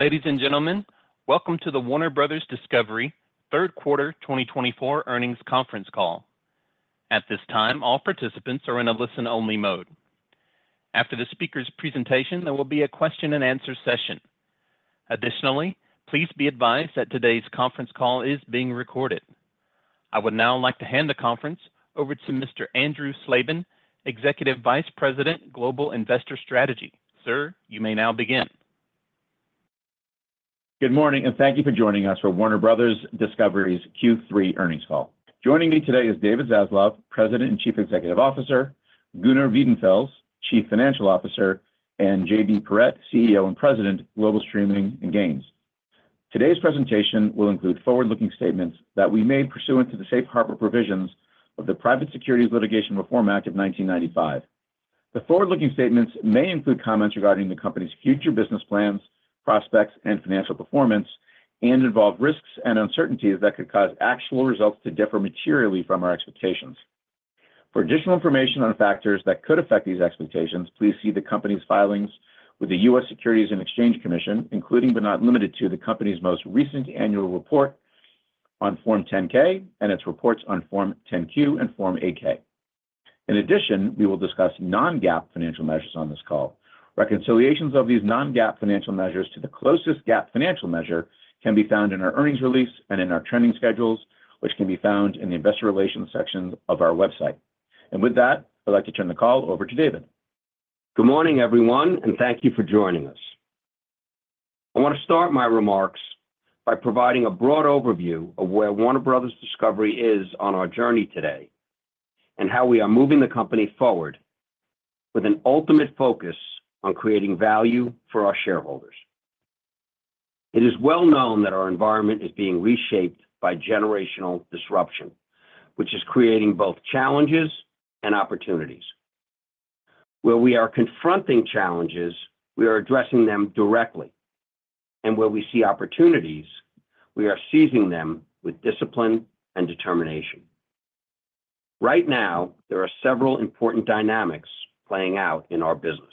Ladies and gentlemen, welcome to the Warner Brothers. Discovery third quarter 2024 earnings conference call. At this time, all participants are in a listen-only mode. After the speaker's presentation, there will be a Q&A session. Additionally, please be advised that today's conference call is being recorded. I would now like to hand the conference over to Mr. Andrew Slabin, Executive Vice President, Global Investor Strategy. Sir, you may now begin. Good morning, and thank you for joining us for Warner Bros. Discovery's Q3 earnings call. Joining me today is David Zaslav, President and Chief Executive Officer, Gunnar Wiedenfels, Chief Financial Officer, and JB Perrette, CEO and President, Global Streaming and Games. Today's presentation will include forward-looking statements that we made pursuant to the safe harbor provisions of the Private Securities Litigation Reform Act of 1995. The forward-looking statements may include comments regarding the company's future business plans, prospects, and financial performance, and involve risks and uncertainties that could cause actual results to differ materially from our expectations. For additional information on factors that could affect these expectations, please see the company's filings with the U.S. Securities and Exchange Commission, including but not limited to the company's most recent annual report on Form 10-K and its reports on Form 10-Q and Form 8-K. In addition, we will discuss non-GAAP financial measures on this call. Reconciliations of these non-GAAP financial measures to the closest GAAP financial measure can be found in our earnings release and in our trending schedules, which can be found in the Investor Relations section of our website, and with that, I'd like to turn the call over to David. Good morning, everyone, and thank you for joining us. I want to start my remarks by providing a broad overview of where Warner Brothers. Discovery is on our journey today and how we are moving the company forward with an ultimate focus on creating value for our shareholders. It is well known that our environment is being reshaped by generational disruption, which is creating both challenges and opportunities. Where we are confronting challenges, we are addressing them directly. And where we see opportunities, we are seizing them with discipline and determination. Right now, there are several important dynamics playing out in our business.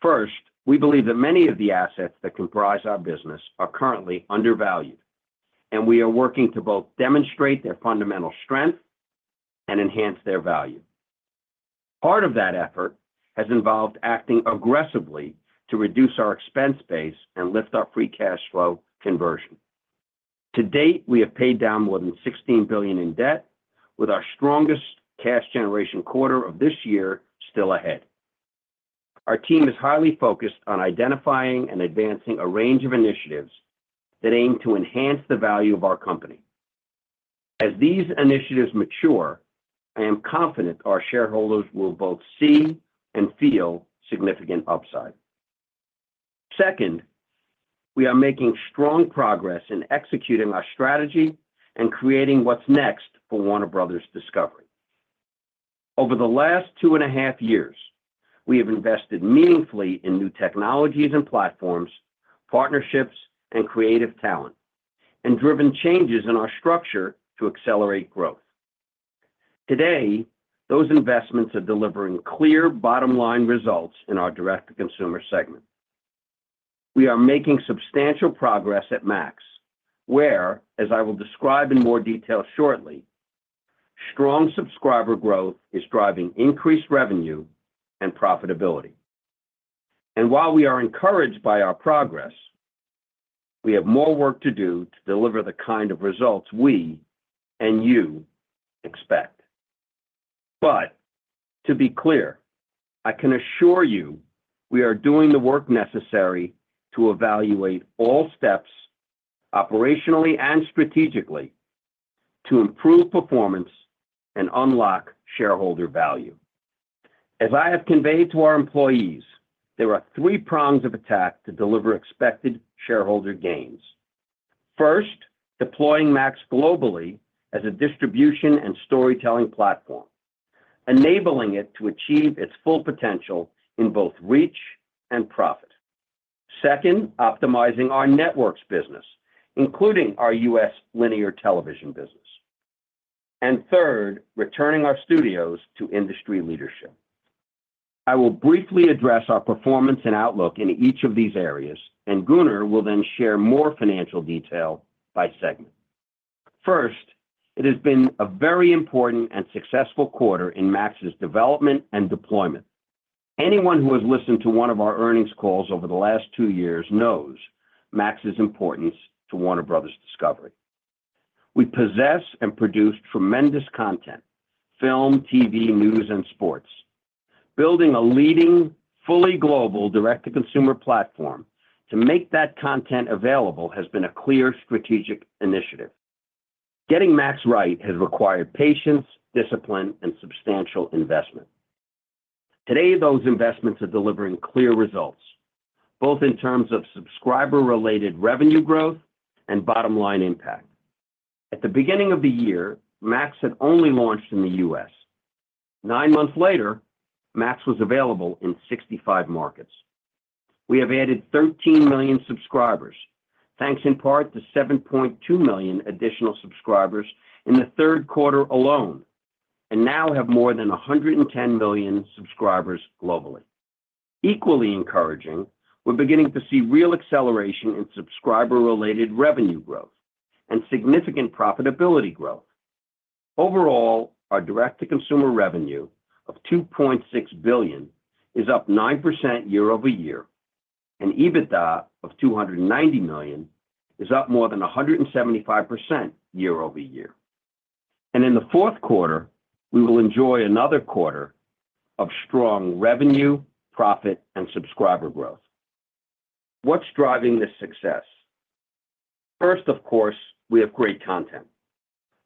First, we believe that many of the assets that comprise our business are currently undervalued, and we are working to both demonstrate their fundamental strength and enhance their value. Part of that effort has involved acting aggressively to reduce our expense base and lift our free cash flow conversion. To date, we have paid down more than $16 billion in debt, with our strongest cash generation quarter of this year still ahead. Our team is highly focused on identifying and advancing a range of initiatives that aim to enhance the value of our company. As these initiatives mature, I am confident our shareholders will both see and feel significant upside. Second, we are making strong progress in executing our strategy and creating what's next for Warner Brothers. Discovery. Over the last two and a half years, we have invested meaningfully in new technologies and platforms, partnerships, and creative talent, and driven changes in our structure to accelerate growth. Today, those investments are delivering clear bottom-line results in our direct-to-consumer segment. We are making substantial progress at Max, where, as I will describe in more detail shortly, strong subscriber growth is driving increased revenue and profitability. And while we are encouraged by our progress, we have more work to do to deliver the kind of results we and you expect. But to be clear, I can assure you we are doing the work necessary to evaluate all steps, operationally and strategically, to improve performance and unlock shareholder value. As I have conveyed to our employees, there are three prongs of attack to deliver expected shareholder gains. First, deploying Max globally as a distribution and storytelling platform, enabling it to achieve its full potential in both reach and profit. Second, optimizing our networks business, including our U.S. linear television business. And third, returning our studios to industry leadership. I will briefly address our performance and outlook in each of these areas, and Gunnar will then share more financial detail by segment. First, it has been a very important and successful quarter in Max's development and deployment. Anyone who has listened to one of our earnings calls over the last two years knows Max's importance to Warner Brothers. Discovery. We possess and produce tremendous content: film, TV, news, and sports. Building a leading, fully global direct-to-consumer platform to make that content available has been a clear strategic initiative. Getting Max right has required patience, discipline, and substantial investment. Today, those investments are delivering clear results, both in terms of subscriber-related revenue growth and bottom-line impact. At the beginning of the year, Max had only launched in the U.S. Nine months later, Max was available in 65 markets. We have added 13 million subscribers, thanks in part to 7.2 million additional subscribers in the third quarter alone, and now have more than 110 million subscribers globally. Equally encouraging, we're beginning to see real acceleration in subscriber-related revenue growth and significant profitability growth. Overall, our direct-to-consumer revenue of $2.6 billion is up 9% year-over-year, and EBITDA of $290 million is up more than 175% year-over-year, and in the fourth quarter, we will enjoy another quarter of strong revenue, profit, and subscriber growth. What's driving this success? First, of course, we have great content.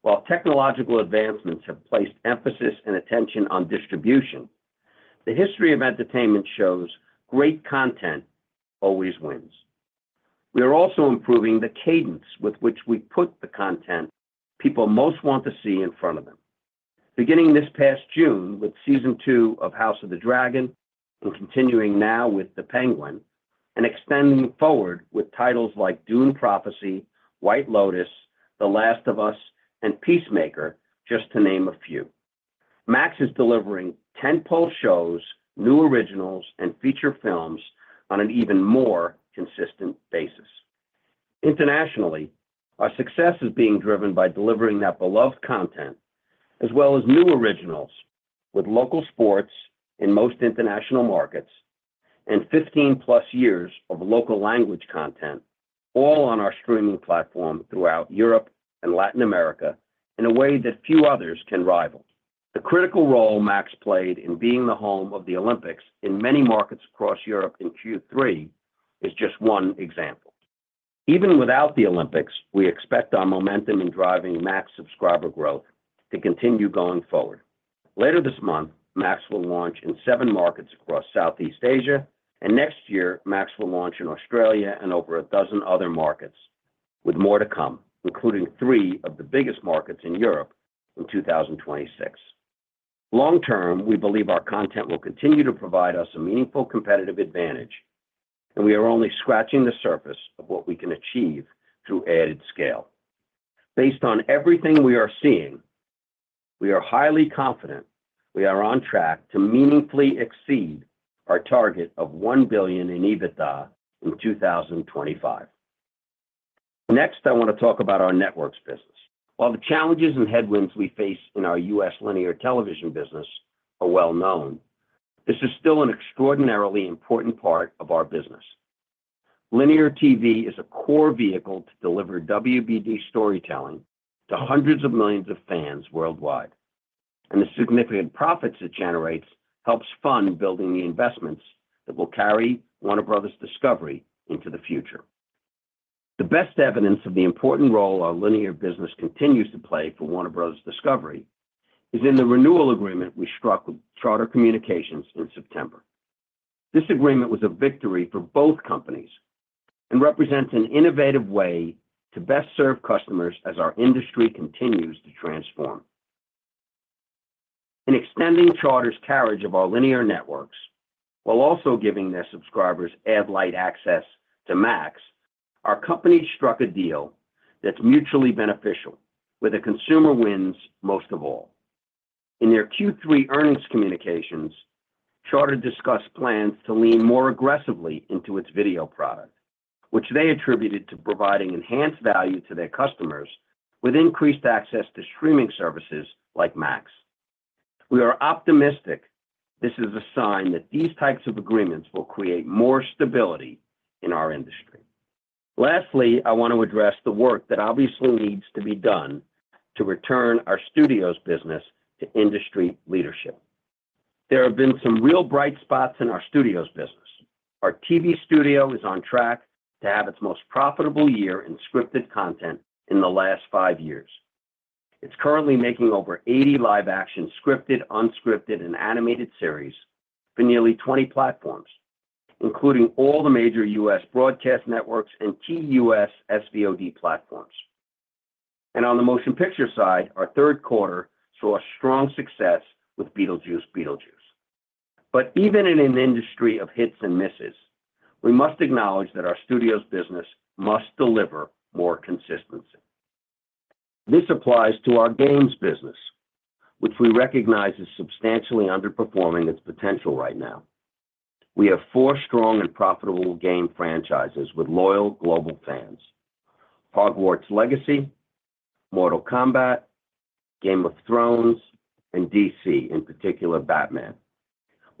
While technological advancements have placed emphasis and attention on distribution, the history of entertainment shows great content always wins. We are also improving the cadence with which we put the content people most want to see in front of them. Beginning this past June with Season 2 of House of the Dragon, and continuing now with The Penguin, and extending forward with titles like Dune: Prophecy, White Lotus, The Last of Us, and Peacemaker, just to name a few. Max is delivering tentpole shows, new originals, and feature films on an even more consistent basis. Internationally, our success is being driven by delivering that beloved content, as well as new originals with local sports in most international markets and 15-plus years of local language content, all on our streaming platform throughout Europe and Latin America in a way that few others can rival. The critical role Max played in being the home of the Olympics in many markets across Europe in Q3 is just one example. Even without the Olympics, we expect our momentum in driving Max's subscriber growth to continue going forward. Later this month, Max will launch in seven markets across Southeast Asia, and next year, Max will launch in Australia and over a dozen other markets, with more to come, including three of the biggest markets in Europe in 2026. Long-term, we believe our content will continue to provide us a meaningful competitive advantage, and we are only scratching the surface of what we can achieve through added scale. Based on everything we are seeing, we are highly confident we are on track to meaningfully exceed our target of $1 billion in EBITDA in 2025. Next, I want to talk about our networks business. While the challenges and headwinds we face in our U.S. linear television business are well known, this is still an extraordinarily important part of our business. Linear TV is a core vehicle to deliver WBD storytelling to hundreds of millions of fans worldwide, and the significant profits it generates help fund building the investments that will carry Warner Brothers. Discovery into the future. The best evidence of the important role our linear business continues to play for Warner Bros. Discovery is in the renewal agreement we struck with Charter Communications in September. This agreement was a victory for both companies and represents an innovative way to best serve customers as our industry continues to transform. In extending Charter's carriage of our linear networks, while also giving their subscribers Ad-Lite access to Max, our company struck a deal that's mutually beneficial, with the consumer wins most of all. In their Q3 earnings communications, Charter discussed plans to lean more aggressively into its video product, which they attributed to providing enhanced value to their customers with increased access to streaming services like Max. We are optimistic this is a sign that these types of agreements will create more stability in our industry. Lastly, I want to address the work that obviously needs to be done to return our studios business to industry leadership. There have been some real bright spots in our studios business. Our TV studio is on track to have its most profitable year in scripted content in the last five years. It's currently making over 80 live-action scripted, unscripted, and animated series for nearly 20 platforms, including all the major U.S. broadcast networks and key U.S. SVOD platforms, and on the motion picture side, our third quarter saw strong success with Beetlejuice Beetlejuice. But even in an industry of hits and misses, we must acknowledge that our studios business must deliver more consistency. This applies to our games business, which we recognize is substantially underperforming its potential right now. We have four strong and profitable game franchises with loyal global fans: Hogwarts Legacy, Mortal Kombat, Game of Thrones, and DC, in particular, Batman.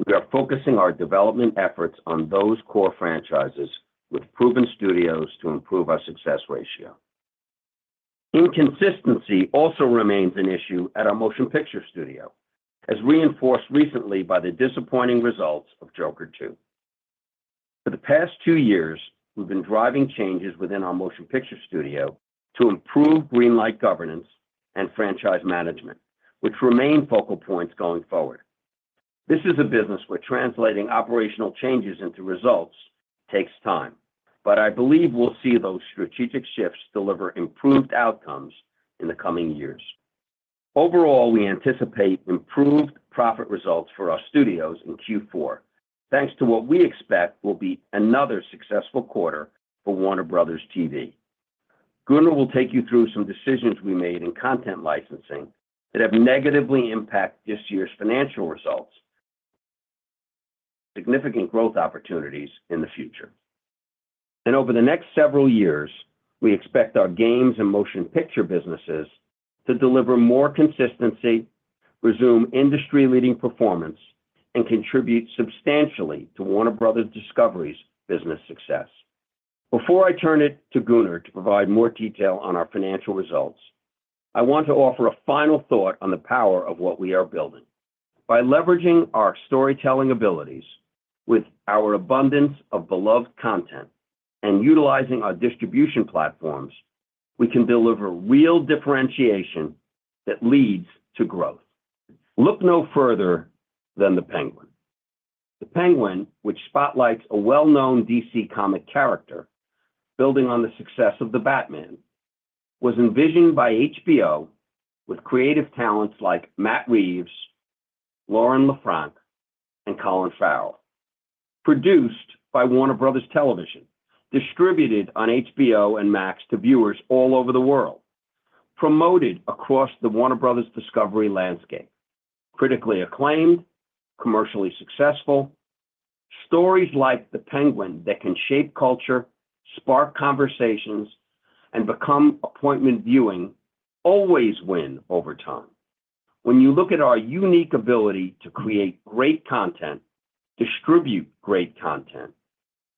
We are focusing our development efforts on those core franchises with proven studios to improve our success ratio. Inconsistency also remains an issue at our motion picture studio, as reinforced recently by the disappointing results of Joker 2. For the past two years, we've been driving changes within our motion picture studio to improve green light governance and franchise management, which remain focal points going forward. This is a business where translating operational changes into results takes time, but I believe we'll see those strategic shifts deliver improved outcomes in the coming years. Overall, we anticipate improved profit results for our studios in Q4, thanks to what we expect will be another successful quarter for Warner Bros. TV. Gunnar will take you through some decisions we made in content licensing that have negatively impacted this year's financial results and significant growth opportunities in the future, and over the next several years, we expect our games and motion picture businesses to deliver more consistency, resume industry-leading performance, and contribute substantially to Warner Brothers. Discovery's business success. Before I turn it to Gunnar to provide more detail on our financial results, I want to offer a final thought on the power of what we are building. By leveraging our storytelling abilities with our abundance of beloved content and utilizing our distribution platforms, we can deliver real differentiation that leads to growth. Look no further than The Penguin. The Penguin, which spotlights a well-known DC Comics character building on the success of The Batman, was envisioned by HBO with creative talents like Matt Reeves, Lauren LeFranc, and Colin Farrell. Produced by Warner Bros. Television, distributed on HBO and Max to viewers all over the world, promoted across the Warner Brothers. Discovery landscape, critically acclaimed, commercially successful. Stories like The Penguin that can shape culture, spark conversations, and become appointment viewing always win over time. When you look at our unique ability to create great content, distribute great content,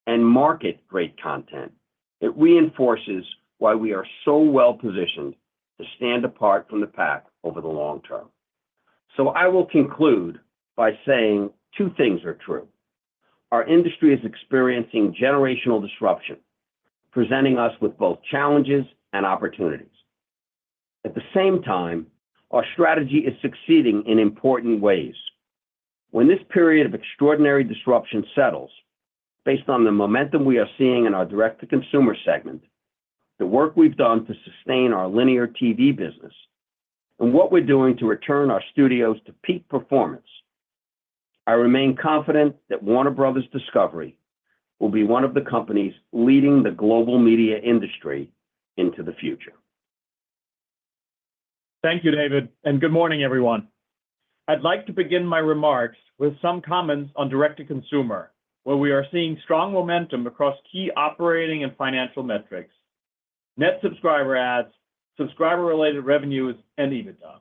and market great content, it reinforces why we are so well-positioned to stand apart from the pack over the long term. So I will conclude by saying two things are true. Our industry is experiencing generational disruption, presenting us with both challenges and opportunities. At the same time, our strategy is succeeding in important ways. When this period of extraordinary disruption settles, based on the momentum we are seeing in our direct-to-consumer segment, the work we've done to sustain our linear TV business, and what we're doing to return our studios to peak performance, I remain confident that Warner Brothers. Discovery will be one of the companies leading the global media industry into the future. Thank you, David, and good morning, everyone. I'd like to begin my remarks with some comments on direct-to-consumer, where we are seeing strong momentum across key operating and financial metrics: net subscriber adds, subscriber-related revenues, and EBITDA.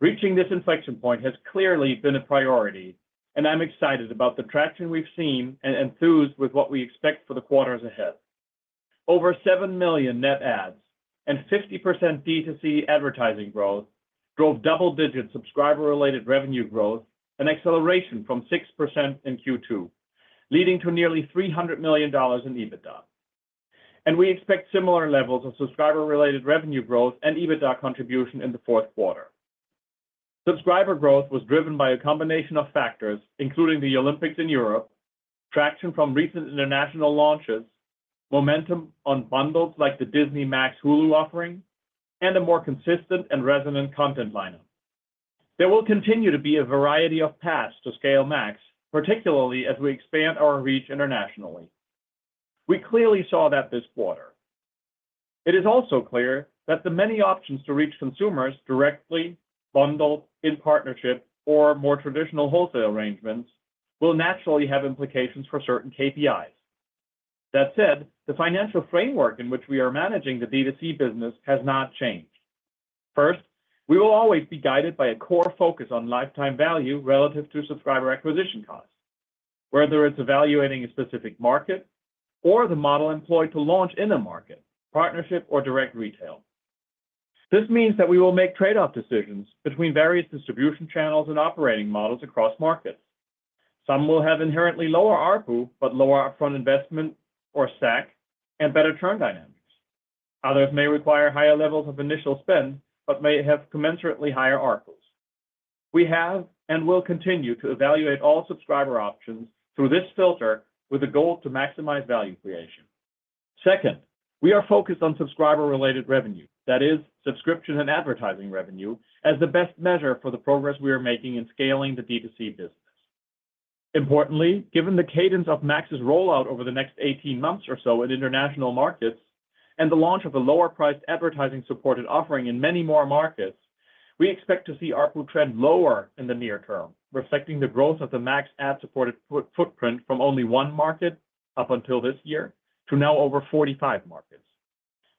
Reaching this inflection point has clearly been a priority, and I'm excited about the traction we've seen and enthused with what we expect for the quarters ahead. Over seven million net adds and 50% DTC advertising growth drove double-digit subscriber-related revenue growth and acceleration from 6% in Q2, leading to nearly $300 million in EBITDA, and we expect similar levels of subscriber-related revenue growth and EBITDA contribution in the fourth quarter. Subscriber growth was driven by a combination of factors, including the Olympics in Europe, traction from recent international launches, momentum on bundles like the Disney Max Hulu offering, and a more consistent and resonant content lineup. There will continue to be a variety of paths to scale Max, particularly as we expand our reach internationally. We clearly saw that this quarter. It is also clear that the many options to reach consumers directly, bundled, in partnership, or more traditional wholesale arrangements will naturally have implications for certain KPIs. That said, the financial framework in which we are managing the DTC business has not changed. First, we will always be guided by a core focus on lifetime value relative to subscriber acquisition costs, whether it's evaluating a specific market or the model employed to launch in a market, partnership, or direct retail. This means that we will make trade-off decisions between various distribution channels and operating models across markets. Some will have inherently lower ARPU, but lower upfront investment or SAC, and better churn dynamics. Others may require higher levels of initial spend but may have commensurately higher ARPUs. We have and will continue to evaluate all subscriber options through this filter with a goal to maximize value creation. Second, we are focused on subscriber-related revenue, that is, subscription and advertising revenue, as the best measure for the progress we are making in scaling the DTC business. Importantly, given the cadence of Max's rollout over the next 18 months or so in international markets and the launch of a lower-priced advertising-supported offering in many more markets, we expect to see ARPU trend lower in the near term, reflecting the growth of the Max ad-supported footprint from only one market up until this year to now over 45 markets.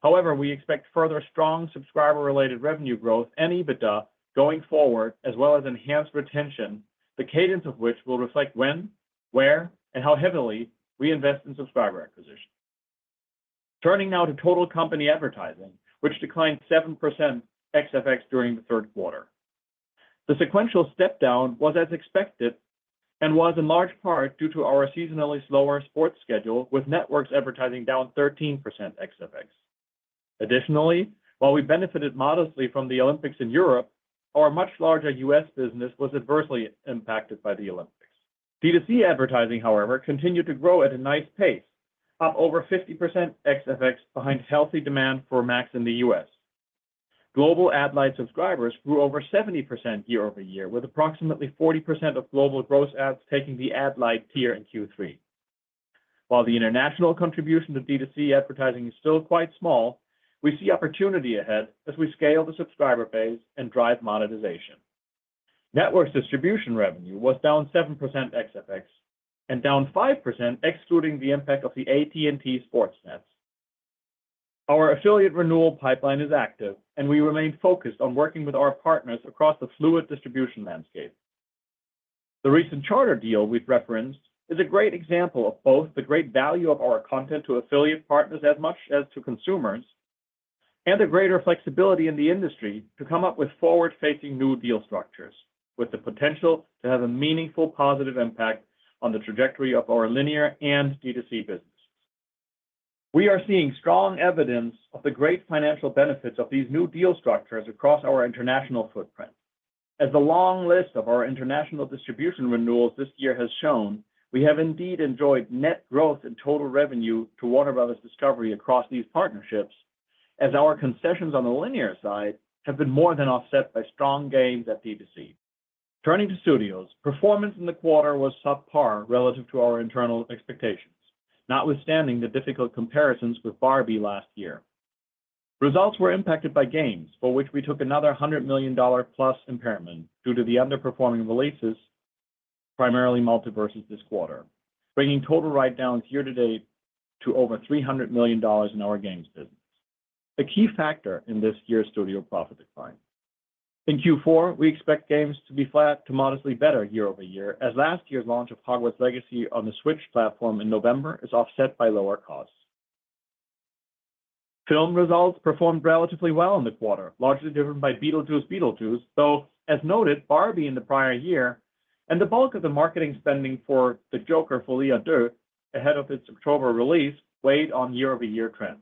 However, we expect further strong subscriber-related revenue growth and EBITDA going forward, as well as enhanced retention, the cadence of which will reflect when, where, and how heavily we invest in subscriber acquisition. Turning now to total company advertising, which declined 7% ex-FX during the third quarter. The sequential step-down was as expected and was in large part due to our seasonally slower sports schedule, with networks advertising down 13% ex-FX. Additionally, while we benefited modestly from the Olympics in Europe, our much larger U.S. business was adversely impacted by the Olympics. DTC advertising, however, continued to grow at a nice pace, up over 50% ex-FX, behind healthy demand for Max in the U.S. Global Ad-Lite subscribers grew over 70% year-over-year, with approximately 40% of global gross adds taking the Ad-Lite tier in Q3. While the international contribution to DTC advertising is still quite small, we see opportunity ahead as we scale the subscriber base and drive monetization. Networks distribution revenue was down 7% ex-FX and down 5%, excluding the impact of the AT&T SportsNets. Our affiliate renewal pipeline is active, and we remain focused on working with our partners across the fluid distribution landscape. The recent Charter deal we've referenced is a great example of both the great value of our content to affiliate partners as much as to consumers and the greater flexibility in the industry to come up with forward-facing new deal structures, with the potential to have a meaningful positive impact on the trajectory of our linear and DTC businesses. We are seeing strong evidence of the great financial benefits of these new deal structures across our international footprint. As the long list of our international distribution renewals this year has shown, we have indeed enjoyed net growth in total revenue to Warner Brothers. Discovery across these partnerships, as our concessions on the linear side have been more than offset by strong gains at DTC. Turning to studios, performance in the quarter was subpar relative to our internal expectations, notwithstanding the difficult comparisons with Barbie last year. Results were impacted by games, for which we took another $100 million-plus impairment due to the underperforming releases, primarily MultiVersus this quarter, bringing total write-downs year-to-date to over $300 million in our games business, a key factor in this year's studio profit decline. In Q4, we expect games to be flat to modestly better year-over-year, as last year's launch of Hogwarts Legacy on the Switch platform in November is offset by lower costs. Film results performed relatively well in the quarter, largely driven by Beetlejuice Beetlejuice, though, as noted, Barbie in the prior year and the bulk of the marketing spending for The Joker fully amortized ahead of its October release weighed on year-over-year trends.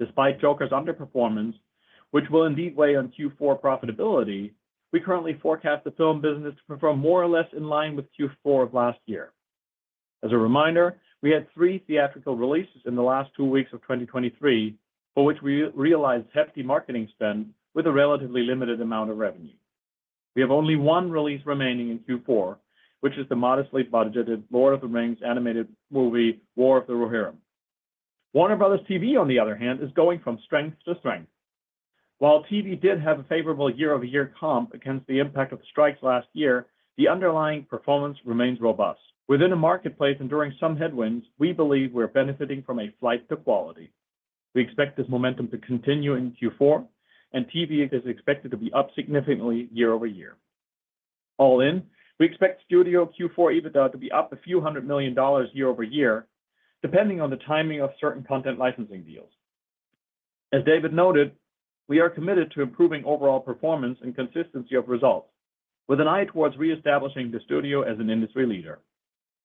Despite Joker's underperformance, which will indeed weigh on Q4 profitability, we currently forecast the film business to perform more or less in line with Q4 of last year. As a reminder, we had three theatrical releases in the last two weeks of 2023, for which we realized hefty marketing spend with a relatively limited amount of revenue. We have only one release remaining in Q4, which is the modestly budgeted Lord of the Rings animated movie, War of the Rohirrim. Warner Brothers. TV, on the other hand, is going from strength to strength. While TV did have a favorable year-over-year comp against the impact of strikes last year, the underlying performance remains robust. Within a marketplace enduring some headwinds, we believe we're benefiting from a flight to quality. We expect this momentum to continue in Q4, and TV is expected to be up significantly year-over-year. All in, we expect studio Q4 EBITDA to be up a few hundred million dollars year-over-year, depending on the timing of certain content licensing deals. As David noted, we are committed to improving overall performance and consistency of results, with an eye towards reestablishing the studio as an industry leader.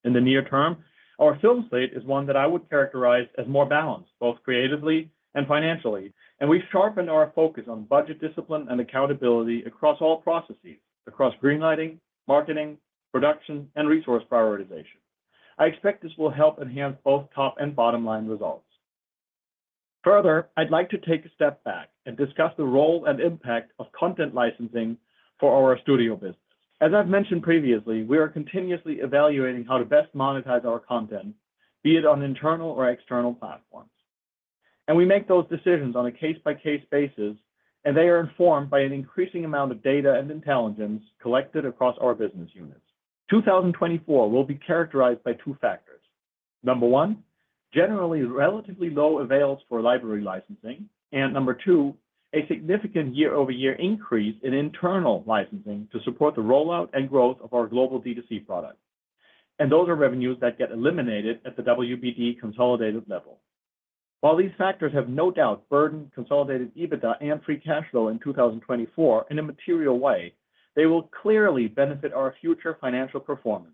In the near term, our film slate is one that I would characterize as more balanced, both creatively and financially, and we've sharpened our focus on budget discipline and accountability across all processes, across greenlighting, marketing, production, and resource prioritization. I expect this will help enhance both top-line and bottom-line results. Further, I'd like to take a step back and discuss the role and impact of content licensing for our studio business. As I've mentioned previously, we are continuously evaluating how to best monetize our content, be it on internal or external platforms, and we make those decisions on a case-by-case basis, and they are informed by an increasing amount of data and intelligence collected across our business units. 2024 will be characterized by two factors. Number one, generally relatively low avails for library licensing, and number two, a significant year-over-year increase in internal licensing to support the rollout and growth of our global DTC product, and those are revenues that get eliminated at the WBD consolidated level. While these factors have no doubt burdened consolidated EBITDA and free cash flow in 2024 in a material way, they will clearly benefit our future financial performance.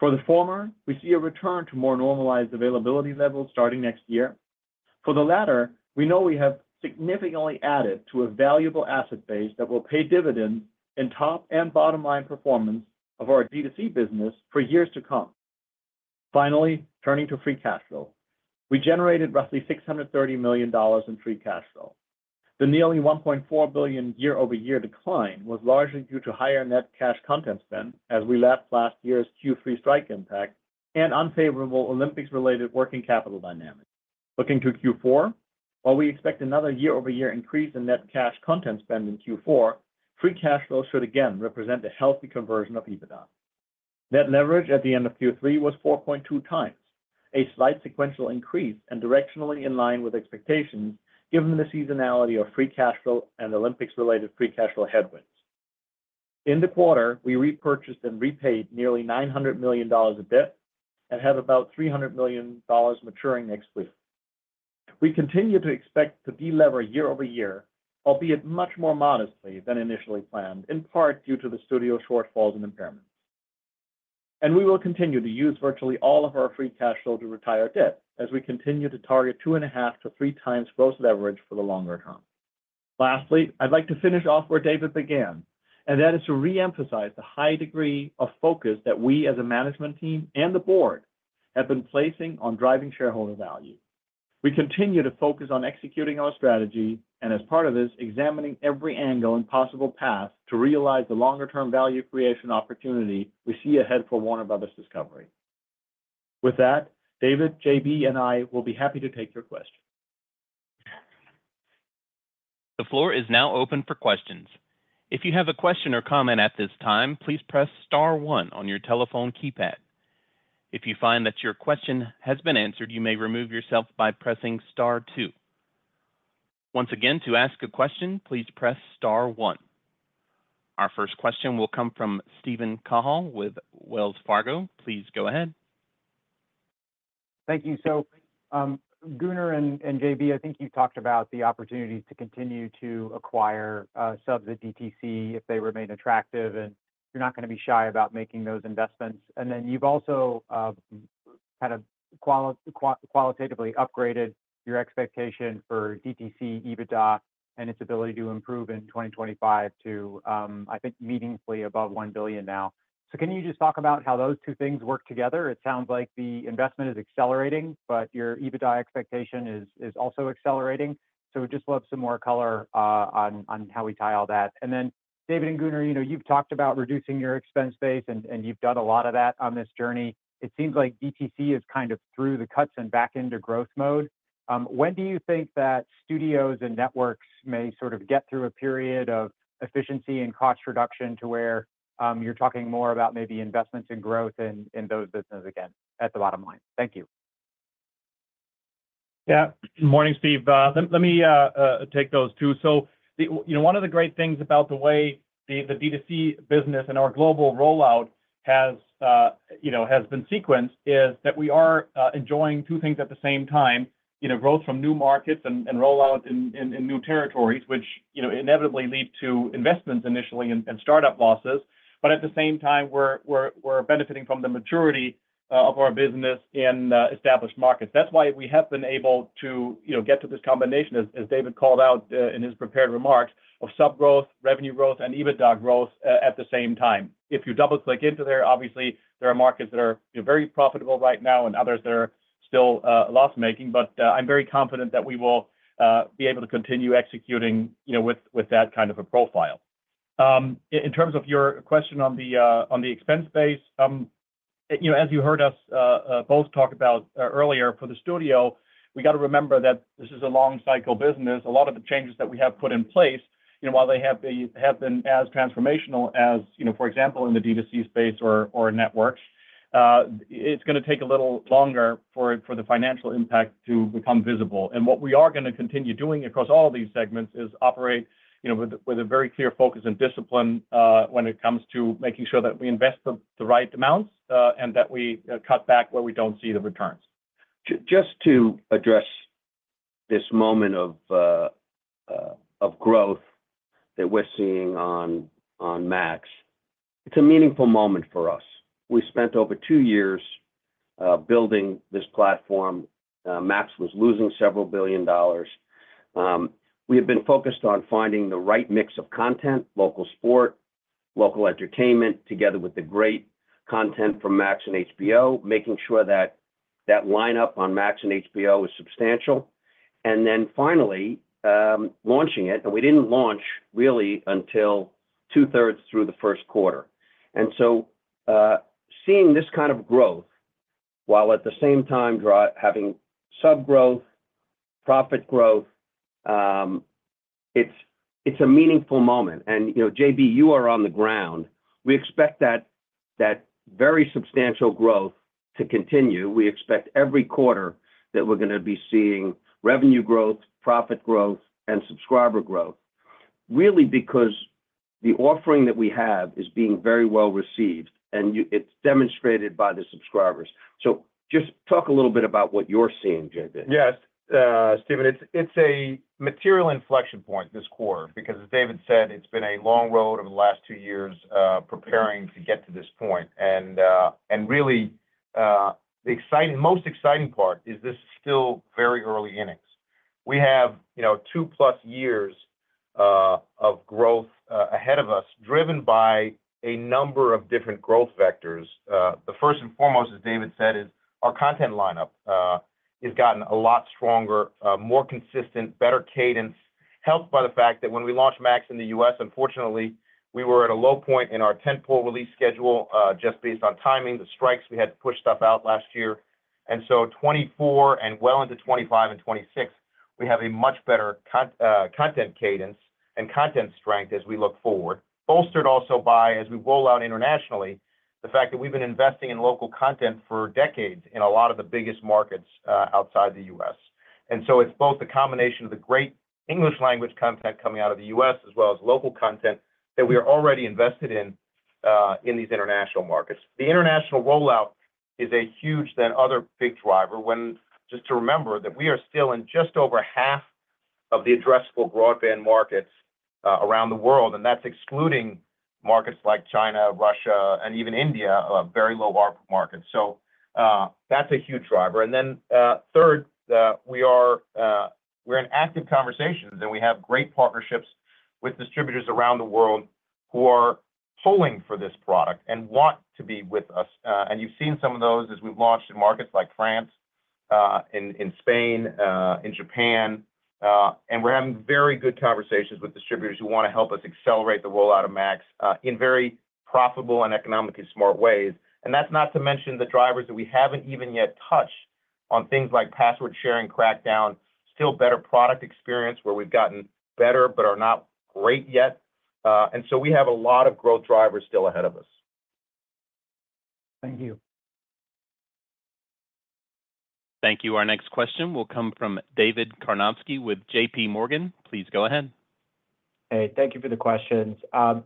For the former, we see a return to more normalized availability levels starting next year. For the latter, we know we have significantly added to a valuable asset base that will pay dividends in top and bottom-line performance of our DTC business for years to come. Finally, turning to free cash flow, we generated roughly $630 million in free cash flow. The nearly $1.4 billion year-over-year decline was largely due to higher net cash content spend, as we left last year's Q3 strike impact, and unfavorable Olympics-related working capital dynamics. Looking to Q4, while we expect another year-over-year increase in net cash content spend in Q4, free cash flow should again represent a healthy conversion of EBITDA. Net leverage at the end of Q3 was 4.2 times, a slight sequential increase and directionally in line with expectations, given the seasonality of free cash flow and Olympics-related free cash flow headwinds. In the quarter, we repurchased and repaid nearly $900 million in debt and have about $300 million maturing next week. We continue to expect to delever year-over-year, a bit much more modestly than initially planned, in part due to the studio shortfalls and impairments. We will continue to use virtually all of our free cash flow to retire debt, as we continue to target two and a half to three times gross leverage for the longer term. Lastly, I'd like to finish off where David began, and that is to reemphasize the high degree of focus that we as a management team and the board have been placing on driving shareholder value. We continue to focus on executing our strategy and, as part of this, examining every angle and possible path to realize the longer-term value creation opportunity we see ahead for Warner Brothers. Discovery. With that, David, JB, and I will be happy to take your questions. The floor is now open for questions. If you have a question or comment at this time, please press Star 1 on your telephone keypad. If you find that your question has been answered, you may remove yourself by pressing Star 2. Once again, to ask a question, please press Star 1. Our first question will come from Steven Cahall with Wells Fargo. Please go ahead. Thank you. So, Gunnar and JB, I think you've talked about the opportunity to continue to acquire subs at DTC if they remain attractive, and you're not going to be shy about making those investments. And then you've also kind of qualitatively upgraded your expectation for DTC EBITDA and its ability to improve in 2025 to, I think, meaningfully above $1 billion now. So can you just talk about how those two things work together? It sounds like the investment is accelerating, but your EBITDA expectation is also accelerating. So we'd just love some more color on how we tie all that. And then, David and Gunnar, you've talked about reducing your expense base, and you've done a lot of that on this journey. It seems like DTC has kind of threw the cuts and back into growth mode. When do you think that studios and networks may sort of get through a period of efficiency and cost reduction to where you're talking more about maybe investments in growth in those businesses again at the bottom line? Thank you. Yeah. Morning, Steve. Let me take those two. So one of the great things about the way the DTC business and our global rollout has been sequenced is that we are enjoying two things at the same time: growth from new markets and rollout in new territories, which inevitably lead to investments initially and startup losses. But at the same time, we're benefiting from the maturity of our business in established markets. That's why we have been able to get to this combination, as David called out in his prepared remarks, of subgrowth, revenue growth, and EBITDA growth at the same time. If you double-click into there, obviously, there are markets that are very profitable right now and others that are still loss-making. But I'm very confident that we will be able to continue executing with that kind of a profile. In terms of your question on the expense base, as you heard us both talk about earlier, for the studio, we got to remember that this is a long-cycle business. A lot of the changes that we have put in place, while they have been as transformational as, for example, in the DTC space or networks, it's going to take a little longer for the financial impact to become visible. And what we are going to continue doing across all of these segments is operate with a very clear focus and discipline when it comes to making sure that we invest the right amounts and that we cut back where we don't see the returns. Just to address this moment of growth that we're seeing on Max, it's a meaningful moment for us. We spent over two years building this platform. Max was losing several billion dollars. We have been focused on finding the right mix of content, local sport, local entertainment, together with the great content from Max and HBO, making sure that that lineup on Max and HBO is substantial. And then finally, launching it. And we didn't launch really until two-thirds through the first quarter. And so seeing this kind of growth, while at the same time having subscriber growth, profit growth, it's a meaningful moment. And JB, you are on the ground. We expect that very substantial growth to continue. We expect every quarter that we're going to be seeing revenue growth, profit growth, and subscriber growth, really because the offering that we have is being very well received, and it's demonstrated by the subscribers. So just talk a little bit about what you're seeing, JB. Yes, Steven, it's a material inflection point this quarter because, as David said, it's been a long road over the last two years preparing to get to this point. And really, the most exciting part is this is still very early innings. We have two-plus years of growth ahead of us, driven by a number of different growth vectors. First and foremost, as David said, is our content lineup has gotten a lot stronger, more consistent, better cadence, helped by the fact that when we launched Max in the U.S., unfortunately, we were at a low point in our tentpole release schedule just based on timing, the strikes we had to push stuff out last year. And so 2024 and well into 2025 and 2026, we have a much better content cadence and content strength as we look forward, bolstered also by, as we roll out internationally, the fact that we've been investing in local content for decades in a lot of the biggest markets outside the U.S. And so it's both the combination of the great English-language content coming out of the U.S. as well as local content that we are already invested in in these international markets. The international rollout is a huge then other big driver, and just to remember that we are still in just over half of the addressable broadband markets around the world, and that's excluding markets like China, Russia, and even India, very low-ARPU markets, so that's a huge driver, and then third, we're in active conversations, and we have great partnerships with distributors around the world who are pulling for this product and want to be with us, and you've seen some of those as we've launched in markets like France, in Spain, in Japan, and we're having very good conversations with distributors who want to help us accelerate the rollout of Max in very profitable and economically smart ways. That's not to mention the drivers that we haven't even yet touched on, things like password sharing crackdown, still better product experience where we've gotten better but are not great yet. And so we have a lot of growth drivers still ahead of us. Thank you. Thank you. Our next question will come from David Karnovsky with JP Morgan. Please go ahead. Hey, thank you for the questions. After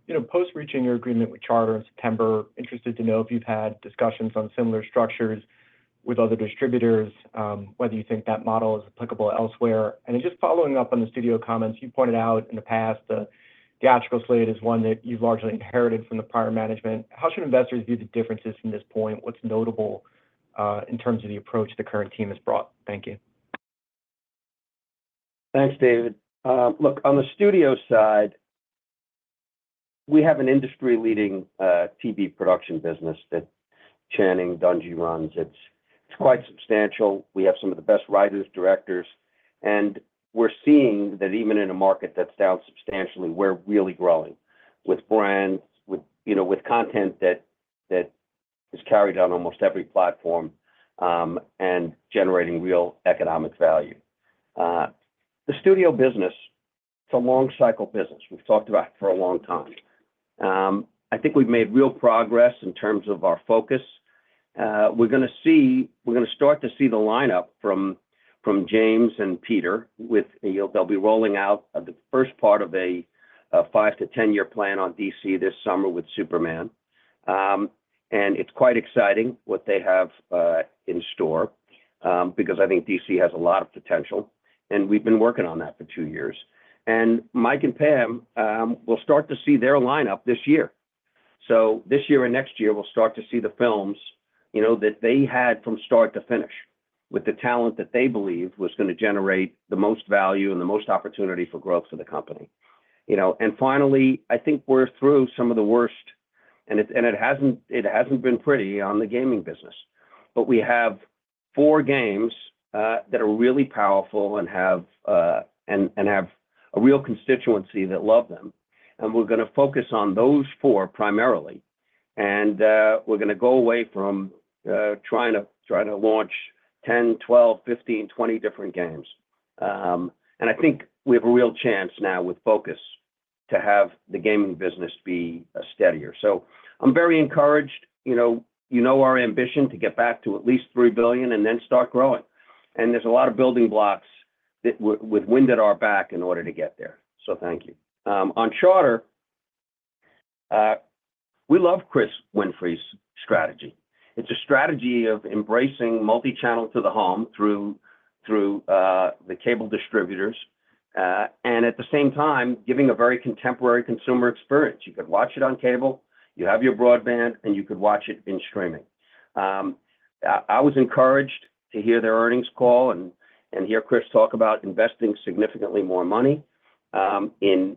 reaching your agreement with Charter in September, I'm interested to know if you've had discussions on similar structures with other distributors, whether you think that model is applicable elsewhere. And just following up on the studio comments, you pointed out in the past theatrical slate is one that you've largely inherited from the prior management. How should investors view the differences from this point? What's notable in terms of the approach the current team has brought? Thank you. Thanks, David. Look, on the studio side, we have an industry-leading TV production business that Channing Dungey runs. It's quite substantial. We have some of the best writers, directors. And we're seeing that even in a market that's down substantially, we're really growing with brands, with content that is carried on almost every platform and generating real economic value. The studio business, it's a long-cycle business. We've talked about it for a long time. I think we've made real progress in terms of our focus. We're going to start to see the lineup from James and Peter with they'll be rolling out the first part of a 5-10-year plan on DC this summer with Superman. And it's quite exciting what they have in store because I think DC has a lot of potential. And we've been working on that for two years. Mike and Pam will start to see their lineup this year. This year and next year, we'll start to see the films that they had from start to finish with the talent that they believe was going to generate the most value and the most opportunity for growth for the company. Finally, I think we're through some of the worst, and it hasn't been pretty on the gaming business. We have four games that are really powerful and have a real constituency that love them. We're going to focus on those four primarily. We're going to go away from trying to launch 10, 12, 15, 20 different games. I think we have a real chance now with focus to have the gaming business be steadier. I'm very encouraged. You know our ambition to get back to at least $3 billion and then start growing. And there's a lot of building blocks with wind at our back in order to get there. So thank you. On Charter, we love Chris Winfrey's strategy. It's a strategy of embracing multichannel to the home through the cable distributors and at the same time giving a very contemporary consumer experience. You could watch it on cable, you have your broadband, and you could watch it in streaming. I was encouraged to hear their earnings call and hear Chris talk about investing significantly more money in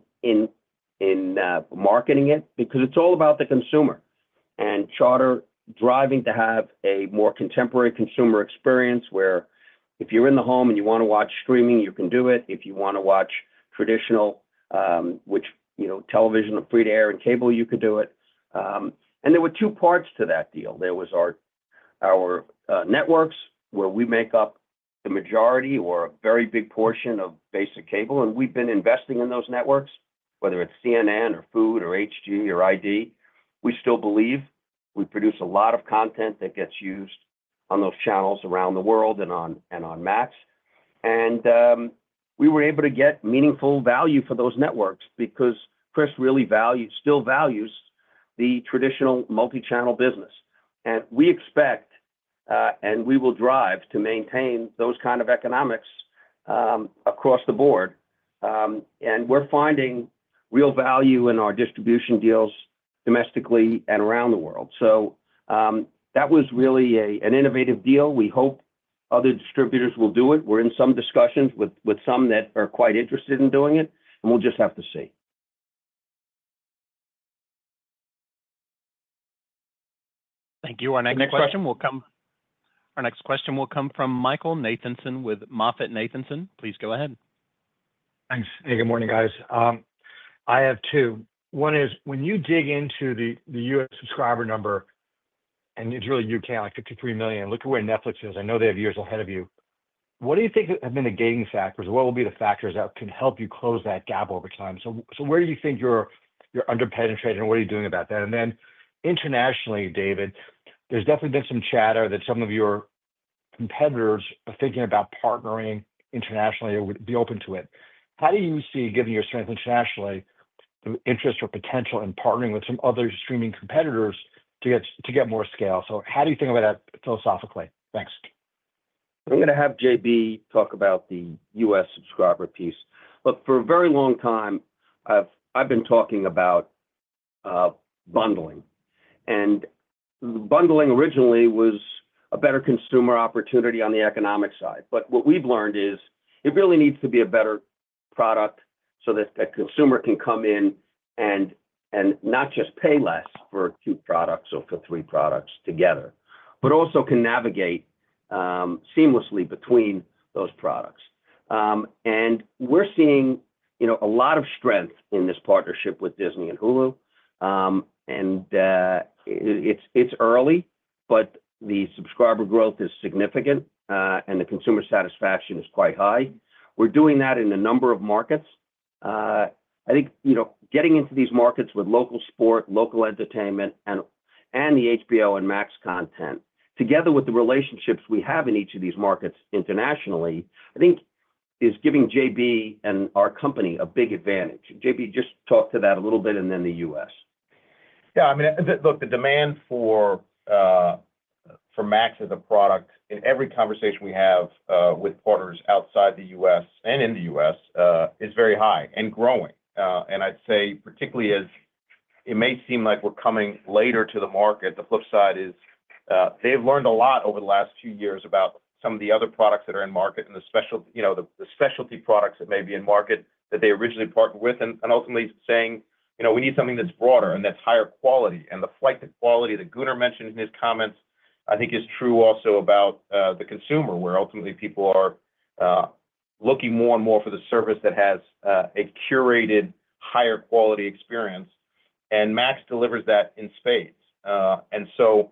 marketing it because it's all about the consumer. And Charter driving to have a more contemporary consumer experience where if you're in the home and you want to watch streaming, you can do it. If you want to watch traditional, which television on free-to-air and cable, you could do it. And there were two parts to that deal. There were our networks where we make up the majority or a very big portion of basic cable. And we've been investing in those networks, whether it's CNN or Food or HG or ID. We still believe we produce a lot of content that gets used on those channels around the world and on Max. And we were able to get meaningful value for those networks because Chris really still values the traditional multichannel business. And we expect and we will drive to maintain those kinds of economics across the board. And we're finding real value in our distribution deals domestically and around the world. So that was really an innovative deal. We hope other distributors will do it. We're in some discussions with some that are quite interested in doing it. And we'll just have to see. Thank you. Our next question will come from Michael Nathanson with MoffettNathanson. Please go ahead. Thanks. Hey, good morning, guys. I have two. One is when you dig into the U.S. subscriber number, and it's really like 53 million. Look at where Netflix is. I know they have years ahead of you. What do you think have been the gating factors? What will be the factors that can help you close that gap over time? So where do you think you're underpenetrated, and what are you doing about that? And then internationally, David, there's definitely been some chatter that some of your competitors are thinking about partnering internationally or would be open to it. How do you see, given your strength internationally, the interest or potential in partnering with some other streaming competitors to get more scale? So how do you think about that philosophically? Thanks. I'm going to have JB talk about the U.S. subscriber piece. Look, for a very long time, I've been talking about bundling. And bundling originally was a better consumer opportunity on the economic side. But what we've learned is it really needs to be a better product so that that consumer can come in and not just pay less for two products or for three products together, but also can navigate seamlessly between those products. And we're seeing a lot of strength in this partnership with Disney and Hulu. And it's early, but the subscriber growth is significant, and the consumer satisfaction is quite high. We're doing that in a number of markets. I think getting into these markets with local sport, local entertainment, and the HBO and Max content, together with the relationships we have in each of these markets internationally, I think is giving JB and our company a big advantage. JB, just talk to that a little bit and then the U.S. Yeah. I mean, look, the demand for Max as a product in every conversation we have with partners outside the U.S. and in the U.S. is very high and growing. And I'd say, particularly as it may seem like we're coming later to the market, the flip side is they've learned a lot over the last few years about some of the other products that are in market and the specialty products that may be in market that they originally partnered with and ultimately saying, "We need something that's broader and that's higher quality." And the flight to quality that Gunnar mentioned in his comments, I think, is true also about the consumer where ultimately people are looking more and more for the service that has a curated, higher quality experience. And Max delivers that in spades. And so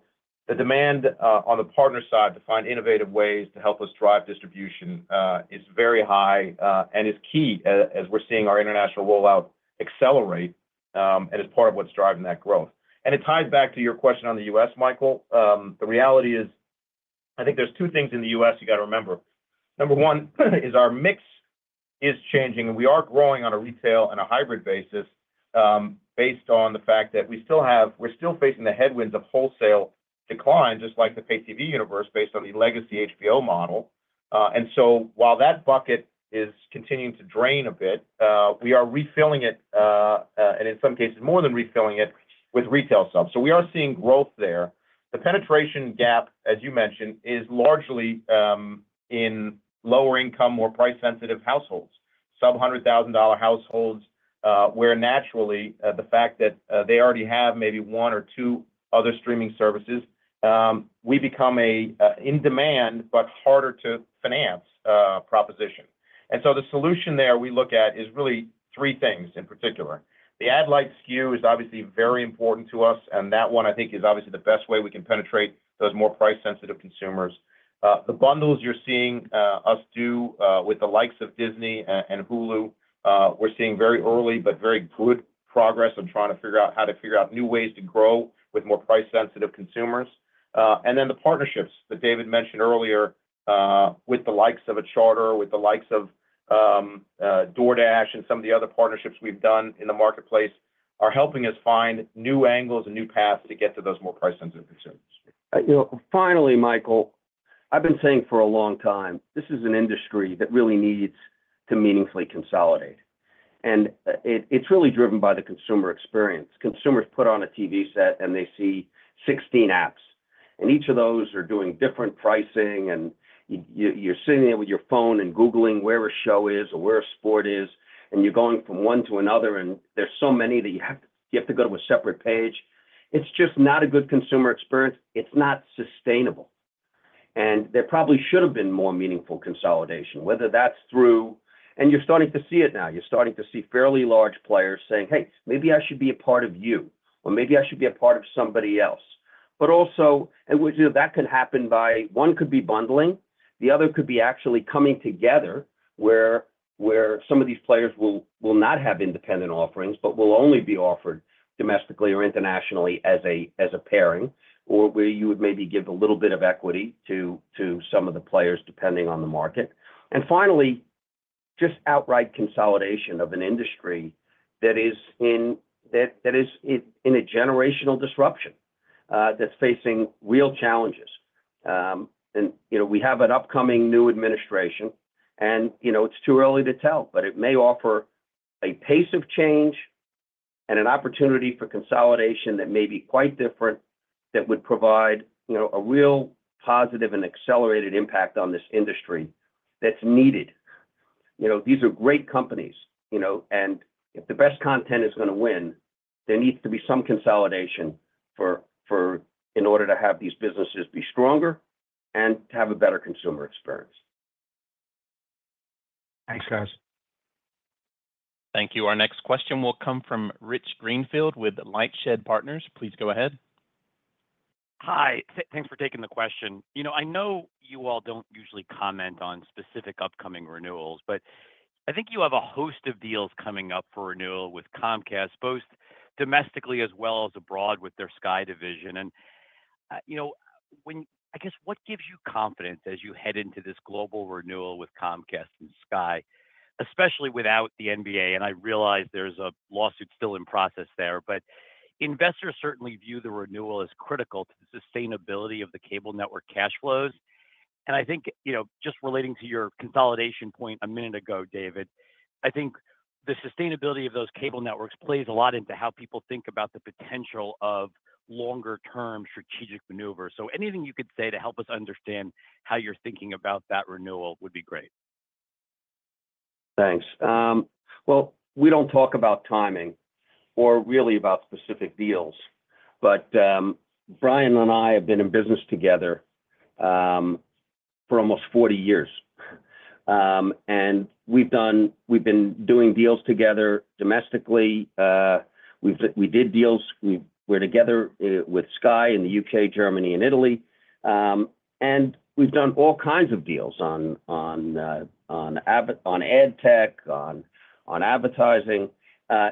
the demand on the partner side to find innovative ways to help us drive distribution is very high and is key as we're seeing our international rollout accelerate and is part of what's driving that growth. And it ties back to your question on the U.S., Michael. The reality is, I think there's two things in the U.S. you got to remember. Number one is our mix is changing, and we are growing on a retail and a hybrid basis based on the fact that we're still facing the headwinds of wholesale decline, just like the pay-TV universe based on the legacy HBO model. And so while that bucket is continuing to drain a bit, we are refilling it, and in some cases, more than refilling it with retail subs. So we are seeing growth there. The penetration gap, as you mentioned, is largely in lower-income, more price-sensitive households, sub-$100,000 households where naturally the fact that they already have maybe one or two other streaming services, we become an in-demand but harder-to-finance proposition. The solution there we look at is really three things in particular. The Ad-Lite SKU is obviously very important to us, and that one, I think, is obviously the best way we can penetrate those more price-sensitive consumers. The bundles you're seeing us do with the likes of Disney and Hulu, we're seeing very early but very good progress on trying to figure out how to figure out new ways to grow with more price-sensitive consumers. The partnerships that David mentioned earlier with the likes of Charter, with the likes of DoorDash, and some of the other partnerships we've done in the marketplace are helping us find new angles and new paths to get to those more price-sensitive consumers. Finally, Michael, I've been saying for a long time, this is an industry that really needs to meaningfully consolidate. And it's really driven by the consumer experience. Consumers put on a TV set, and they see 16 apps. And each of those are doing different pricing, and you're sitting there with your phone and Googling where a show is or where a sport is, and you're going from one to another, and there's so many that you have to go to a separate page. It's just not a good consumer experience. It's not sustainable. And there probably should have been more meaningful consolidation, whether that's through, and you're starting to see it now. You're starting to see fairly large players saying, "Hey, maybe I should be a part of you," or, "Maybe I should be a part of somebody else." But also, and that can happen by one could be bundling. The other could be actually coming together where some of these players will not have independent offerings but will only be offered domestically or internationally as a pairing, or where you would maybe give a little bit of equity to some of the players depending on the market. And finally, just outright consolidation of an industry that is in a generational disruption that's facing real challenges. And we have an upcoming new administration, and it's too early to tell, but it may offer a pace of change and an opportunity for consolidation that may be quite different that would provide a real positive and accelerated impact on this industry that's needed. These are great companies. And if the best content is going to win, there needs to be some consolidation in order to have these businesses be stronger and to have a better consumer experience. Thanks, guys. Thank you. Our next question will come from Rich Greenfield with LightShed Partners. Please go ahead. Hi. Thanks for taking the question. I know you all don't usually comment on specific upcoming renewals, but I think you have a host of deals coming up for renewal with Comcast, both domestically as well as abroad with their Sky division. And I guess, what gives you confidence as you head into this global renewal with Comcast and Sky, especially without the NBA? And I realize there's a lawsuit still in process there, but investors certainly view the renewal as critical to the sustainability of the cable network cash flows. And I think just relating to your consolidation point a minute ago, David, I think the sustainability of those cable networks plays a lot into how people think about the potential of longer-term strategic maneuvers. Anything you could say to help us understand how you're thinking about that renewal would be great. Thanks. We don't talk about timing or really about specific deals. Brian and I have been in business together for almost 40 years. We've been doing deals together domestically. We did deals. We're together with Sky in the U.K., Germany, and Italy. We've done all kinds of deals on AdTech, on advertising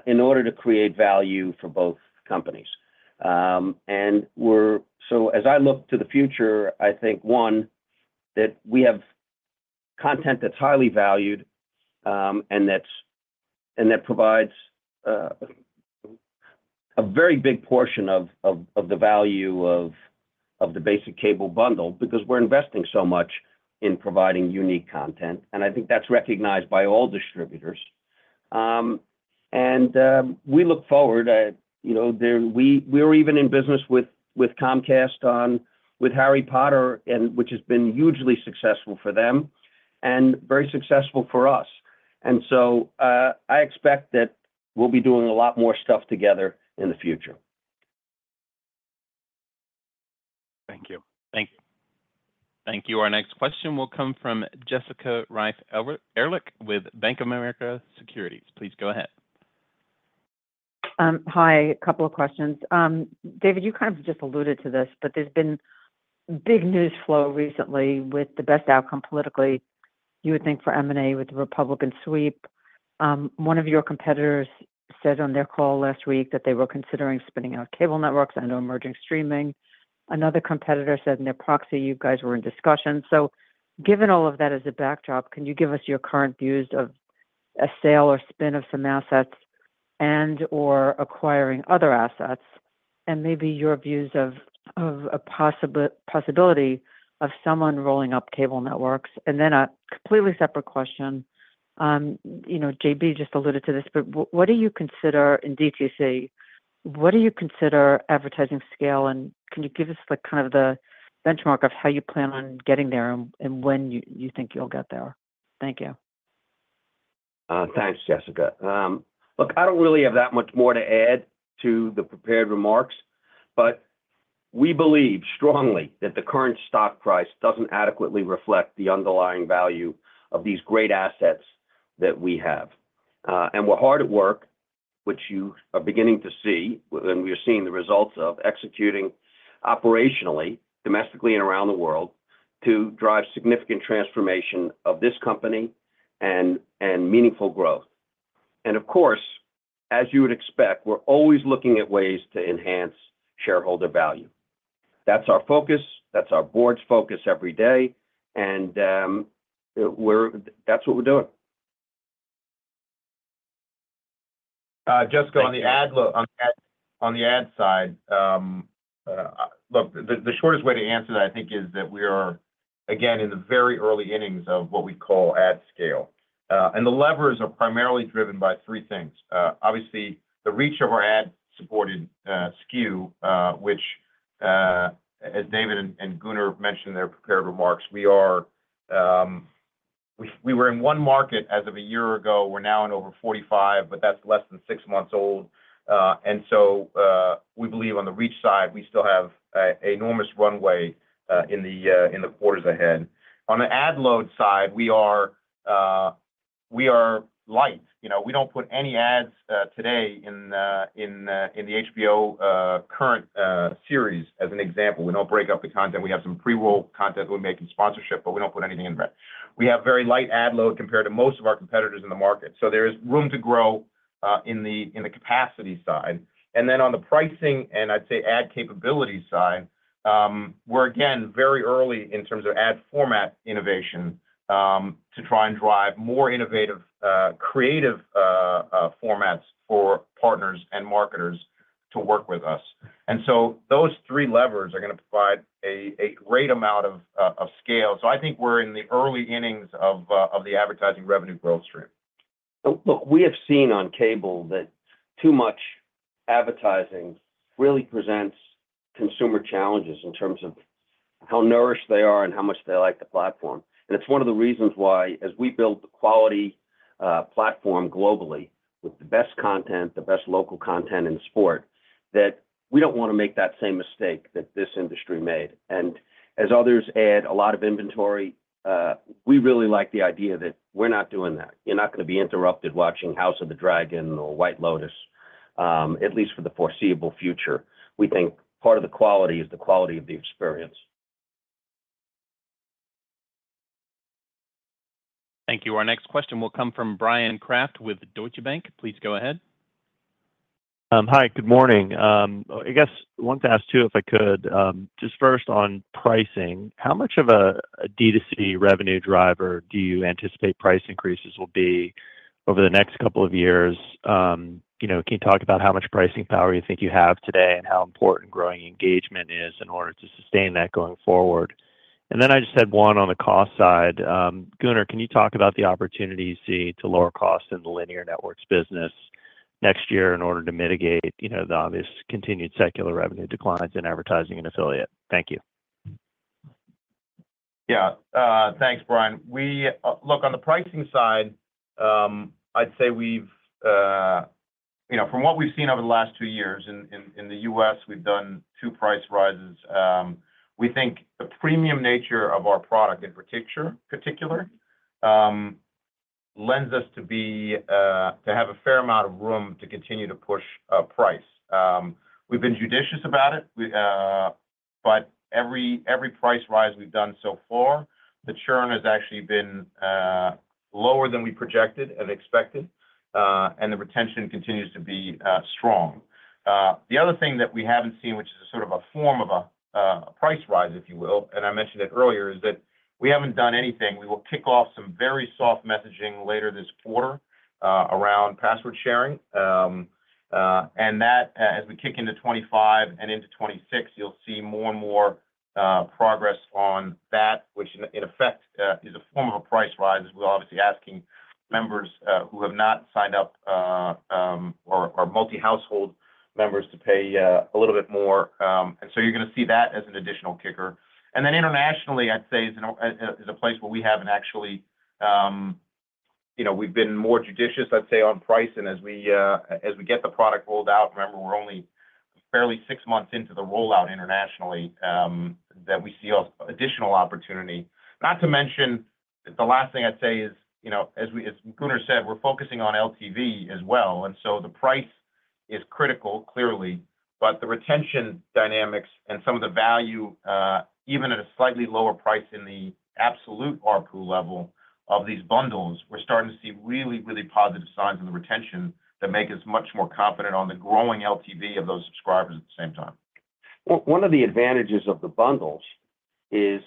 in order to create value for both companies. As I look to the future, I think, one, that we have content that's highly valued and that provides a very big portion of the value of the basic cable bundle because we're investing so much in providing unique content. I think that's recognized by all distributors. And we look forward, as we were even in business with Comcast with Harry Potter, which has been hugely successful for them and very successful for us. And so I expect that we'll be doing a lot more stuff together in the future. Thank you. Thank you. Thank you. Our next question will come from Jessica Reif Erlich with Bank of America Securities. Please go ahead. Hi. A couple of questions. David, you kind of just alluded to this, but there's been big news flow recently with the best outcome politically, you would think, for M&A with the Republican sweep. One of your competitors said on their call last week that they were considering spinning out cable networks and/or merging streaming. Another competitor said in their proxy, you guys were in discussion. So given all of that as a backdrop, can you give us your current views of a sale or spin of some assets and/or acquiring other assets? And maybe your views of a possibility of someone rolling up cable networks. And then a completely separate question. JB just alluded to this, but what do you consider in DTC? What do you consider advertising scale? And can you give us kind of the benchmark of how you plan on getting there and when you think you'll get there? Thank you. Thanks, Jessica. Look, I don't really have that much more to add to the prepared remarks, but we believe strongly that the current stock price doesn't adequately reflect the underlying value of these great assets that we have. We're hard at work, which you are beginning to see, and we are seeing the results of executing operationally, domestically and around the world, to drive significant transformation of this company and meaningful growth. Of course, as you would expect, we're always looking at ways to enhance shareholder value. That's our focus. That's our board's focus every day. And that's what we're doing. Jessica, on the ad side, look, the shortest way to answer that, I think, is that we are, again, in the very early innings of what we call ad scale. And the levers are primarily driven by three things. Obviously, the reach of our ad-supported SKU, which, as David and Gunnar mentioned in their prepared remarks, we were in one market as of a year ago. We're now in over 45, but that's less than six months old. And so we believe on the reach side, we still have an enormous runway in the quarters ahead. On the ad load side, we are light. We don't put any ads today in the HBO current series, as an example. We don't break up the content. We have some pre-roll content that we make in sponsorship, but we don't put anything in there. We have very light ad load compared to most of our competitors in the market. So there is room to grow in the capacity side. And then on the pricing and, I'd say, ad capability side, we're, again, very early in terms of ad format innovation to try and drive more innovative, creative formats for partners and marketers to work with us. And so those three levers are going to provide a great amount of scale. So I think we're in the early innings of the advertising revenue growth stream. Look, we have seen on cable that too much advertising really presents consumer challenges in terms of how nourished they are and how much they like the platform. And it's one of the reasons why, as we build a quality platform globally with the best content, the best local content in the sport, that we don't want to make that same mistake that this industry made. And as others add a lot of inventory, we really like the idea that we're not doing that. You're not going to be interrupted watching House of the Dragon or White Lotus, at least for the foreseeable future. We think part of the quality is the quality of the experience. Thank you. Our next question will come from Bryan Kraft with Deutsche Bank. Please go ahead. Hi. Good morning. I guess I wanted to ask too if I could, just first on pricing, how much of a DTC revenue driver do you anticipate price increases will be over the next couple of years? Can you talk about how much pricing power you think you have today and how important growing engagement is in order to sustain that going forward? And then I just had one on the cost side. Gunnar, can you talk about the opportunity you see to lower cost in the linear networks business next year in order to mitigate the obvious continued secular revenue declines in advertising and affiliate? Thank you. Yeah. Thanks, Bryan. Look, on the pricing side, I'd say we've, from what we've seen over the last two years in the U.S., we've done two price rises. We think the premium nature of our product in particular lends us to have a fair amount of room to continue to push price. We've been judicious about it, but every price rise we've done so far, the churn has actually been lower than we projected and expected, and the retention continues to be strong. The other thing that we haven't seen, which is sort of a form of a price rise, if you will, and I mentioned it earlier, is that we haven't done anything. We will kick off some very soft messaging later this quarter around password sharing, and as we kick into 2025 and into 2026, you'll see more and more progress on that, which in effect is a form of a price rise. We're obviously asking members who have not signed up or multi-household members to pay a little bit more. And so you're going to see that as an additional kicker. And then internationally, I'd say, is a place where we haven't actually, we've been more judicious, I'd say, on pricing as we get the product rolled out. Remember, we're only barely six months into the rollout internationally, that we see additional opportunity. Not to mention, the last thing I'd say is, as Gunnar said, we're focusing on LTV as well. And so the price is critical, clearly, but the retention dynamics and some of the value, even at a slightly lower price in the absolute RPU level of these bundles, we're starting to see really, really positive signs in the retention that make us much more confident on the growing LTV of those subscribers at the same time. One of the advantages of the bundles is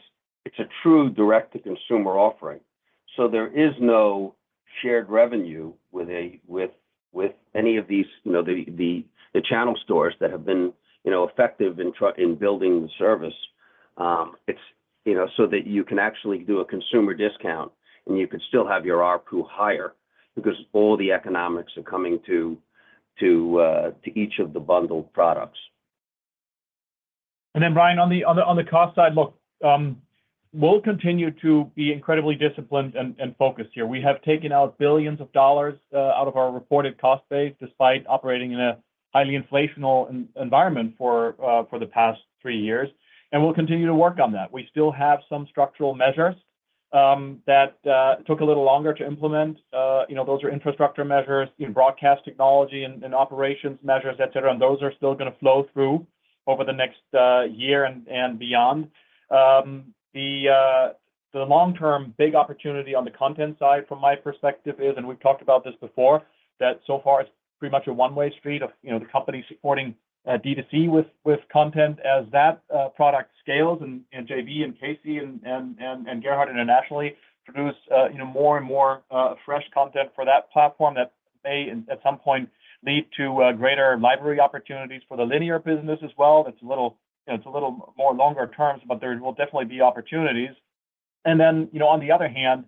it's a true direct-to-consumer offering. So there is no shared revenue with any of these, the channel stores that have been effective in building the service, so that you can actually do a consumer discount, and you could still have your RPU higher because all the economics are coming to each of the bundled products. And then, Bryan, on the cost side, look, we'll continue to be incredibly disciplined and focused here. We have taken out billions of dollars out of our reported cost base despite operating in a highly inflationary environment for the past three years. And we'll continue to work on that. We still have some structural measures that took a little longer to implement. Those are infrastructure measures, broadcast technology, and operations measures, et cetera. And those are still going to flow through over the next year and beyond. The long-term big opportunity on the content side, from my perspective, is, and we've talked about this before, that so far it's pretty much a one-way street of the company supporting DTC with content as that product scales, and JB and Casey and Gerhard internationally produce more and more fresh content for that platform that may, at some point, lead to greater library opportunities for the linear business as well. It's a little more longer terms, but there will definitely be opportunities, and then, on the other hand,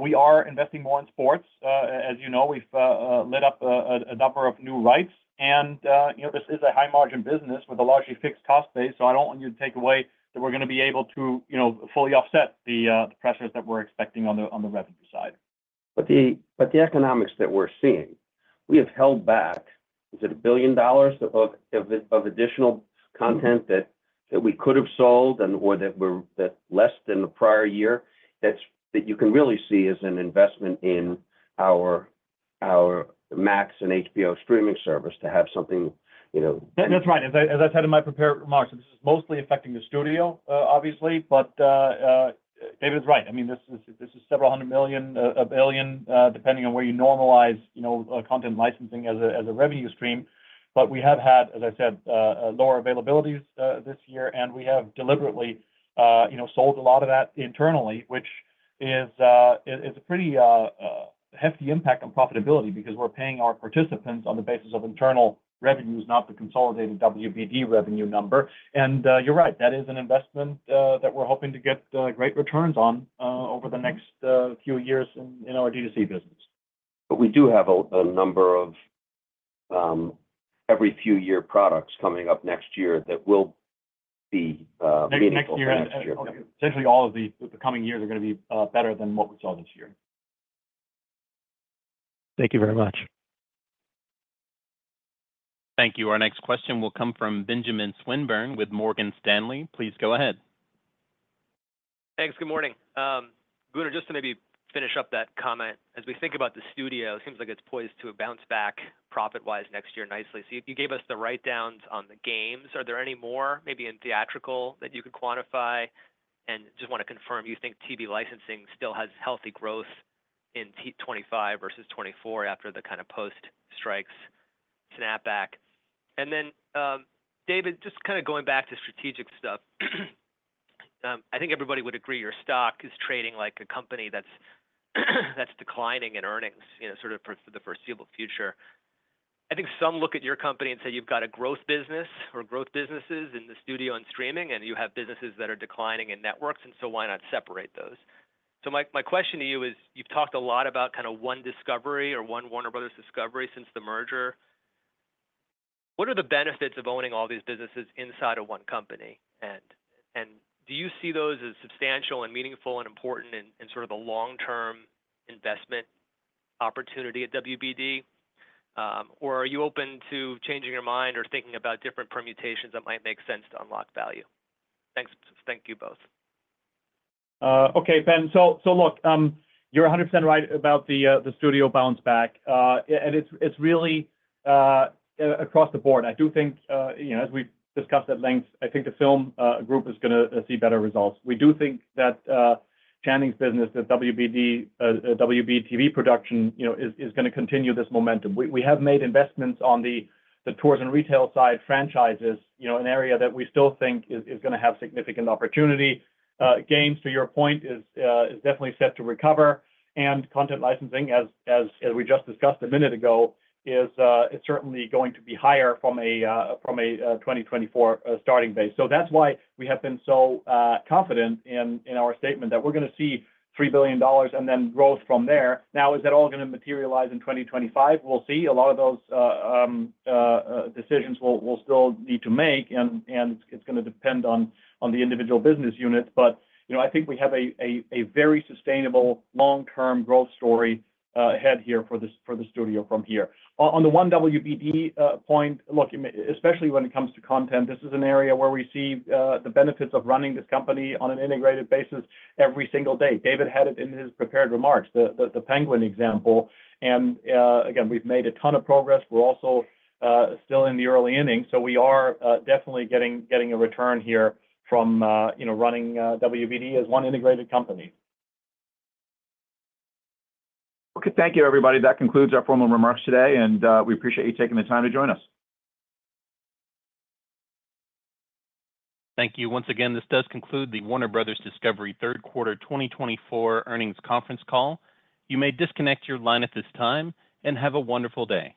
we are investing more in sports. As you know, we've lit up a number of new rights. And this is a high-margin business with a largely fixed cost base. So I don't want you to take away that we're going to be able to fully offset the pressures that we're expecting on the revenue side. But the economics that we're seeing, we have held back—is it $1 billion of additional content that we could have sold or that less than the prior year—that you can really see as an investment in our Max and HBO streaming service to have something. That's right. As I said in my prepared remarks, this is mostly affecting the studio, obviously. But David's right. I mean, this is several hundred million, $1 billion, depending on where you normalize content licensing as a revenue stream. But we have had, as I said, lower availabilities this year. And we have deliberately sold a lot of that internally, which is a pretty hefty impact on profitability because we're paying our participants on the basis of internal revenues, not the consolidated WBD revenue number. And you're right. That is an investment that we're hoping to get great returns on over the next few years in our DTC business. But we do have a number of every few-year products coming up next year that will be meaningful. Next year and next year. Essentially, all of the coming years are going to be better than what we saw this year. Thank you very much. Thank you. Our next question will come from Benjamin Swinburne with Morgan Stanley. Please go ahead. Thanks. Good morning. Gunnar, just to maybe finish up that comment. As we think about the studio, it seems like it's poised to bounce back profit-wise next year nicely. So you gave us the write-downs on the games. Are there any more, maybe in theatrical, that you could quantify? And just want to confirm, you think TV licensing still has healthy growth in 2025 versus 2024 after the kind of post-strikes snapback? And then, David, just kind of going back to strategic stuff, I think everybody would agree your stock is trading like a company that's declining in earnings sort of for the foreseeable future. I think some look at your company and say, "You've got a growth business or growth businesses in the studio and streaming, and you have businesses that are declining in networks, and so why not separate those?" So my question to you is, you've talked a lot about kind of one Discovery or one Warner Brothers. Discovery since the merger. What are the benefits of owning all these businesses inside of one company? And do you see those as substantial and meaningful and important in sort of a long-term investment opportunity at WBD? Or are you open to changing your mind or thinking about different permutations that might make sense to unlock value? Thank you both. Okay, Ben. So look, you're 100% right about the studio bounce back. And it's really across the board. I do think, as we've discussed at length, I think the film group is going to see better results. We do think that Channing's business, the WBTV production, is going to continue this momentum. We have made investments on the tours and retail side franchises, an area that we still think is going to have significant opportunity. Games, to your point, is definitely set to recover. And content licensing, as we just discussed a minute ago, is certainly going to be higher from a 2024 starting base. That's why we have been so confident in our statement that we're going to see $3 billion and then growth from there. Now, is that all going to materialize in 2025? We'll see. A lot of those decisions we'll still need to make, and it's going to depend on the individual business units. But I think we have a very sustainable long-term growth story ahead here for the studio from here. On the one WBD point, look, especially when it comes to content, this is an area where we see the benefits of running this company on an integrated basis every single day. David had it in his prepared remarks, The Penguin example. And again, we've made a ton of progress. We're also still in the early innings. So we are definitely getting a return here from running WBD as one integrated company. Okay. Thank you, everybody. That concludes our formal remarks today, and we appreciate you taking the time to join us. Thank you. Once again, this does conclude the Warner Brothers. Discovery third quarter 2024 earnings conference call. You may disconnect your line at this time and have a wonderful day.